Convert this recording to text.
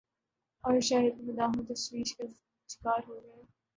اور شاہد کے مداح تشویش کا شکار ہوگئے۔